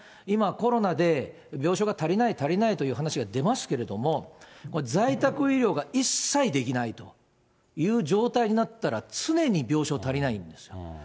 今、コロナで病床が足りない、足りないという話が出ますけれども、在宅医療が一切できないという状態になったら、常に病床足りないんですよ。